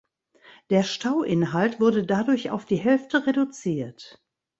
Der Stauinhalt wurde dadurch auf die Hälfte reduziert.